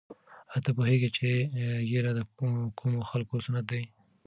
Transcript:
آیا ته پوهېږې چې ږیره د کومو خلکو سنت دی؟